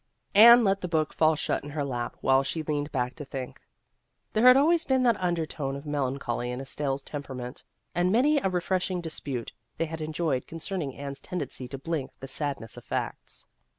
Anne let the book fall shut in her lap while she leaned back to think. There had always been that undertone of melan choly in Estelle's temperament ; and many a refreshing dispute had they enjoyed con cerning Anne's tendency to blink the sad ness of facts.